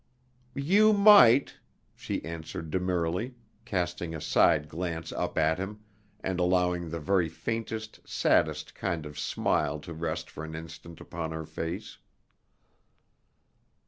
"You might," she answered demurely, casting a side glance up at him, and allowing the very faintest, saddest kind of smile to rest for an instant upon her face.